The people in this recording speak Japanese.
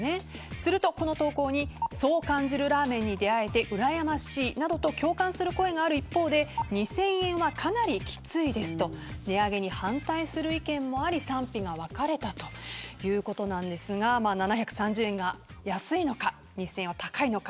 すると、この投稿にそう感じるラーメンに出合えてうらやましいなどと共感する声がある一方で２０００円はかなりきついですと値上げに反対する意見もあり賛否が分かれたということなんですが７３０円が安いのか２０００円は高いのか。